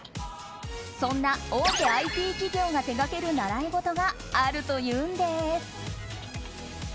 そんな大手ＩＴ企業が手掛ける習い事があるというんです。